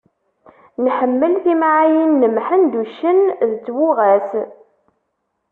Nḥemmel timɛayin n Mḥend uccen, d twuɣa-s.